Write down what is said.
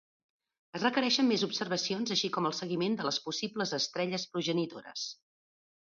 Es requereixen més observacions així com el seguiment de les possibles estrelles progenitores.